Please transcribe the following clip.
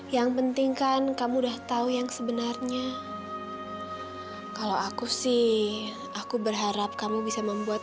yang penting kan kamu udah tahu yang sebenarnya kalau aku sih aku berharap kamu bisa membuat